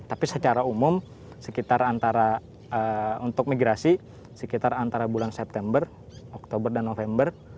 tapi secara umum sekitar antara untuk migrasi sekitar antara bulan september oktober dan november